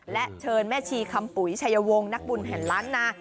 และเชิญแม่ชีคำปุ๋ยชายวงนักบุญแห่งล้านนา